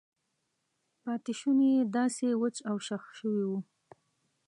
پاتې شونې یې داسې وچ او شخ شوي وو.